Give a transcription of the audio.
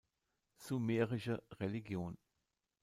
Sumerische Religion